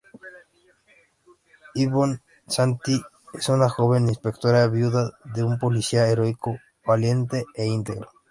Yvonne Santi es una joven inspectora viuda de un policía heroico, valiente e íntegro.